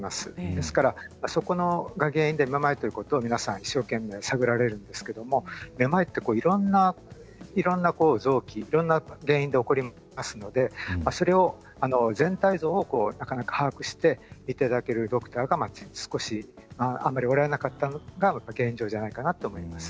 ですからそこが原因でめまいということを皆さん一生懸命探られるんですけどもめまいっていろんな臓器いろんな原因で起こりますのでそれを全体像を把握して診ていただけるドクターが少しあんまりおられなかったのが現状じゃないかなと思います。